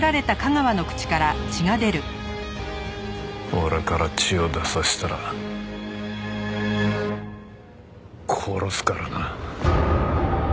俺から血を出させたら殺すからな。